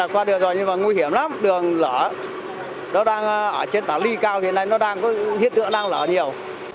qua được rồi nhưng mà nguy hiểm lắm đường lở nó đang ở trên tàu ly cao thế này nó đang có hiện tượng đang lở nhiều